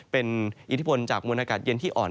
เป็นอิทธิพลจากมวลอากาศเย็นที่อ่อน